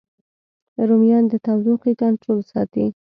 رومیان د تودوخې کنټرول ساتي